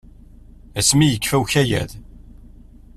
Asmi i yekfa ukayad.